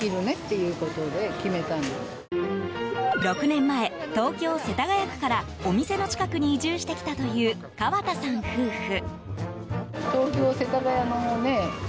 ６年前、東京・世田谷区からお店の近くに移住してきたという川田さん夫婦。